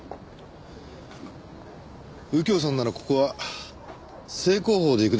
右京さんならここは正攻法でいくでしょう？